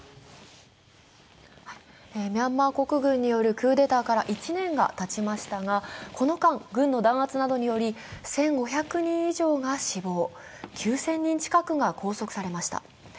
ミャンマー国軍によるクーデターから１年がたちましたが、この間、軍の弾圧などにより１５００人以上が死亡、９０００人近くが拘束されました。